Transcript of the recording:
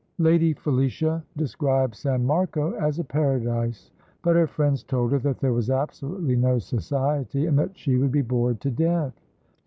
Lady Felicia described San Marco as a paradise; but her friends told her that there was absolutely no society, and that she would be bored to death.